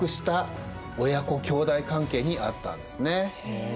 へえ。